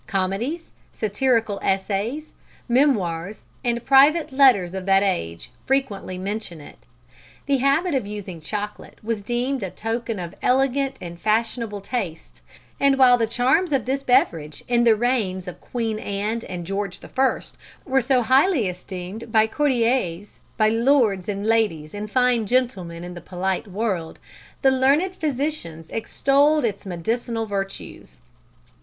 Comedies, satirical essays, memoirs and private letters of that age frequently mention it. The habit of using chocolate was deemed a token of elegant and fashionable taste, and while the charms of this beverage in the reigns of Queen Anne and George I. were so highly esteemed by courtiers, by lords and ladies and fine gentlemen in the polite world, the learned physicians extolled its medicinal virtues."